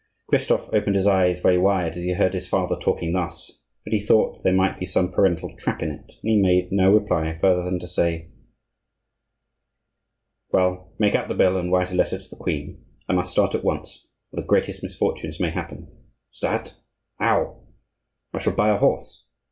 Christophe opened his eyes very wide as he heard his father talking thus; but he thought there might be some parental trap in it, and he made no reply further than to say:— "Well, make out the bill, and write a letter to the queen; I must start at once, or the greatest misfortunes may happen." "Start? How?" "I shall buy a horse.